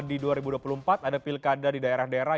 di dua ribu dua puluh empat ada pilkada di daerah daerah